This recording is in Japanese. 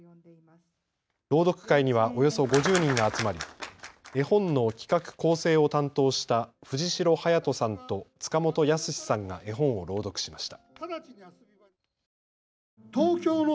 朗読会にはおよそ５０人が集まり絵本の企画・構成を担当した藤代勇人さんと塚本やすしさんが絵本を朗読しました。